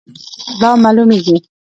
دا معلومیږي